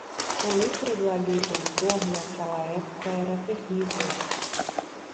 O lucro do agricultor naquela época era terrível.